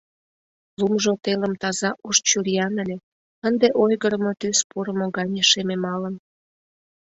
Лумжо телым таза ош чуриян ыле, ынде ойгырымо тӱс пурымо гане шемемалын.